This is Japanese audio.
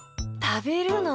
たべるの？